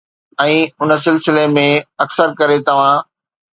۽ انهي سلسلي ۾، اڪثر ڪري توهان